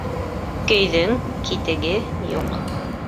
Көйҙөң китеге юҡ.